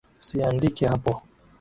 Usiiandike hapo